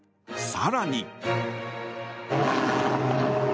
更に。